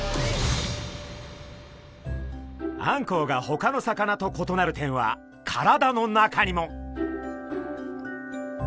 あんこうがほかの魚と異なる点は体の中にも。